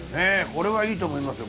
これはいいと思いますよ